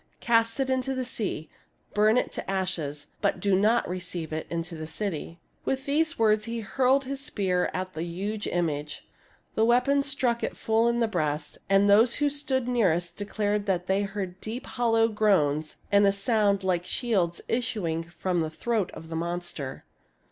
Cast it into the sea, burn it to ashes, but do not receive it into the city." With these words he hurled his spear at the huge image. The weapon struck it full in the breast, and those who stood nearest declared that they heard deep hollow groans and a sound like the rattle of shields issuing from the throat of the monster.